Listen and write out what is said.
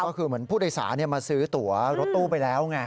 ก็คือเหมือนผู้โดยสารมาซื้อตัวรถตู้ไปแล้วไง